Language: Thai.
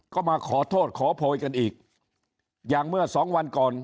ก็มาขอโทษขอโพยกันอีกอย่างเมื่อสองวันก่อน